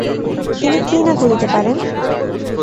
তিনি কী না করিতে পারেন?